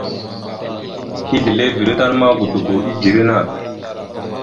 Izleveré tan ma godogo idzeré naɗ.